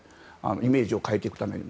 イメージを変えていくために。